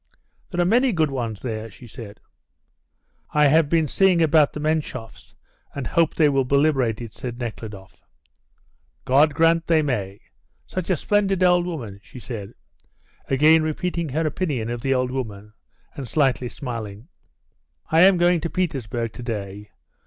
"There are many good ones there," she said. "I have been seeing about the Menshoffs, and hope they will be liberated," said Nekhludoff. "God grant they may. Such a splendid old woman," she said, again repeating her opinion of the old woman, and slightly smiling. "I am going to Petersburg to day.